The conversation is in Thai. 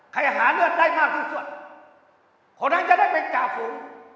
ใครหาเลือดได้มากที่สุดเพราะฉะนั้นจะได้เป็นจ่าฝุม